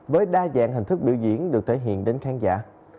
với đa dạng hình thức biểu diễn được thể hiện đến khán giả